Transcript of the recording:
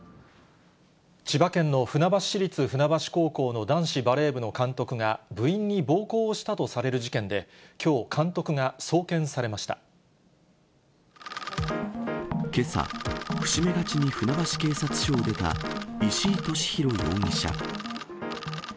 千葉県の船橋市立船橋高校の男子バレー部の監督が部員に暴行したとされる事件で、きょう、けさ、伏し目がちに船橋警察署を出た、石井利広容疑者。